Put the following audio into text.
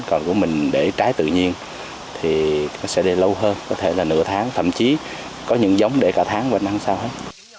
còn của mình để trái tự nhiên thì nó sẽ đi lâu hơn có thể là nửa tháng thậm chí có những giống để cả tháng và nắng sau hết